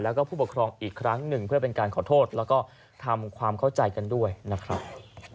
แล้วก็ผู้ปกครองอีกครั้งหนึ่งเพื่อเป็นการขอโทษแล้วก็ทำความเข้าใจกันด้วยนะครับ